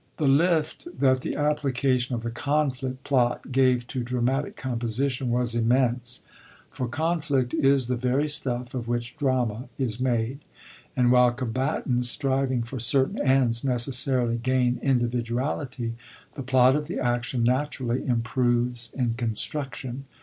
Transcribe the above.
^ The lift that the application of the Conflict plot gave to dramatic composition was immense, for conflict is the very stuff of which drama is made ; and while combatants striving for certain ends necessarily gain individuality, the plot of the action naturally improves in construction.